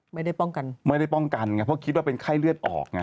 ไม่ได้ป้องกันไม่ได้ป้องกันไงเพราะคิดว่าเป็นไข้เลือดออกไง